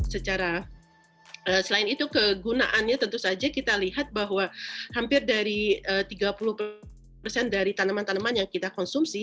secara selain itu kegunaannya tentu saja kita lihat bahwa hampir dari tiga puluh persen dari tanaman tanaman yang kita konsumsi